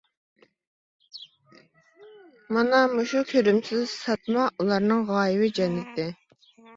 مانا مۇشۇ كۆرۈمسىز ساتما ئۇلارنىڭ غايىۋى جەننىتى.